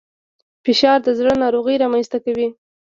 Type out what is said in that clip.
فشار د زړه ناروغۍ رامنځته کوي